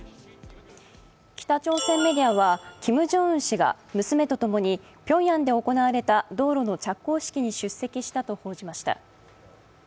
北朝鮮メディアはキム・ジョンウン氏がピョンヤンで行われた道路の着工式に出席したと報じました。